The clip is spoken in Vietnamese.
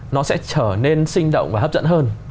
nó sẽ trở nên sinh động và hấp dẫn hơn